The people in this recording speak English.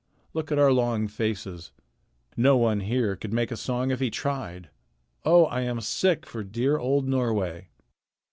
Look at our long faces. No one here could make a song if he tried. Oh! I am sick for dear old Norway."